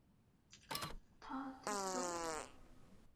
다 됐어?